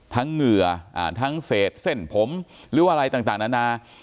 เหงื่อทั้งเศษเส้นผมหรือว่าอะไรต่างนานา